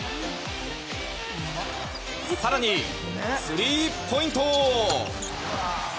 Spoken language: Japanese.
更に、スリーポイントも。